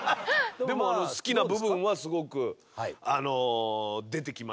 でも好きな部分はすごく出てきましたんで。